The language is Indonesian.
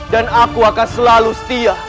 dan aku akan selalu setia